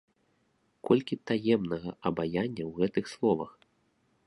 Колькі таемнага абаяння ў гэтых словах!